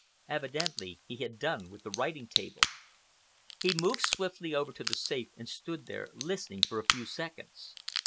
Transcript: Evidently he had done with the writing table. He moved swiftly over to the safe and stood there listening for a few seconds.